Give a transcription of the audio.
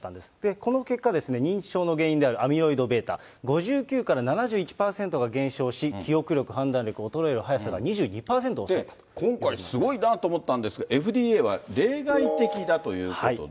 この結果、認知症の原因であるアミロイドβ、５９から７１％が減少し、記憶力、判断力、今回、すごいなと思ったんですが、ＦＤＡは例外的だということで。